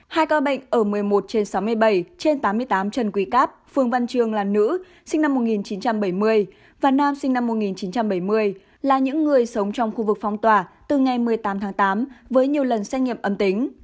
hai ca bệnh ở một mươi một trên sáu mươi bảy trên tám mươi tám trần quý cáp phương văn chương là nữ sinh năm một nghìn chín trăm bảy mươi và nam sinh năm một nghìn chín trăm bảy mươi là những người sống trong khu vực phong tỏa từ ngày một mươi tám tháng tám với nhiều lần xét nghiệm âm tính